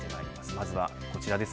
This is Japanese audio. まずはこちらです。